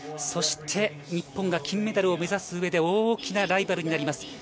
そして日本が金メダルを目指す上で大きなライバルになります。